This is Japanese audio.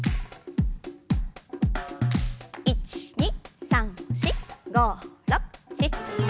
１２３４５６７８。